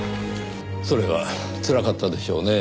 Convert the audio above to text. それはつらかったでしょうねぇ。